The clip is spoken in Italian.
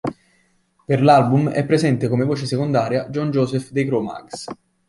Per l'album è presente come voce secondaria John Joseph dei Cro-Mags.